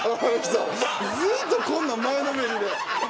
ずっとこんな前のめりで。